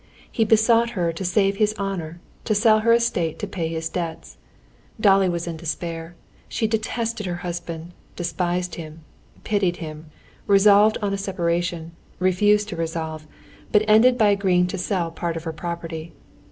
He besought her to save his honor, to sell her estate to pay his debts. Dolly was in despair, she detested her husband, despised him, pitied him, resolved on a separation, resolved to refuse, but ended by agreeing to sell part of her property.